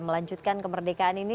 melanjutkan kemerdekaan ini